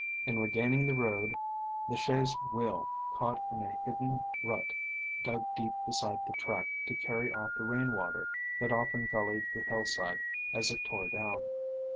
In regaining the road, the chaise wheel caught in a hidden rut dug deep beside the track to carry off the rain water that often gullied the hillside as it tore down.